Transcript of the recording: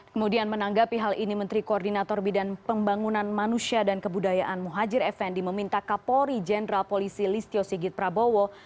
kemudian menanggapi hal ini menteri koordinator bidan pembangunan manusia dan kebudayaan muhajir effendi meminta kapolri jenderal polisi listio sigit prabowo